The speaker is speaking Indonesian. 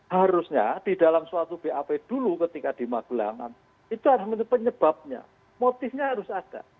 harusnya di dalam suatu bap dulu ketika di magelangan itu harus penyebabnya motifnya harus ada